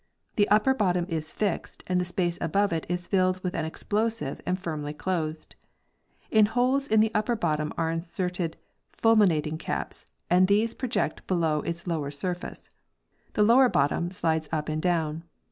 The upper bottom is fixed and the space above it is filled with an explosive and firmly closed. In holes in the upper bottom are inserted fulminating caps and these project below its lower surface. The lower bottom slides up and down.